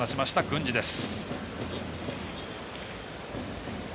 郡司です。